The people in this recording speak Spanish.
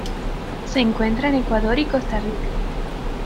Se encuentra en Ecuador y Costa Rica.